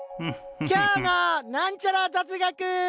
今日のなんちゃら雑学。